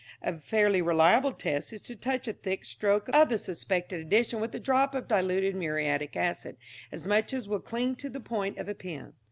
A fairly reliable test is to touch a thick stroke of the suspected addition with a drop of diluted muriatic acid as much as will cling to the point of a pin.